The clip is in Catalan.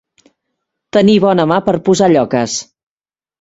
Tenir bona mà per posar lloques.